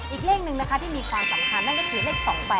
อีกเลขหนึ่งนะคะที่มีความสำคัญนั่นก็คือเลข๒๘